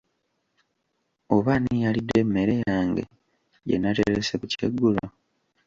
Oba ani yalidde emmere yange gye nnaterese ku kyeggulo?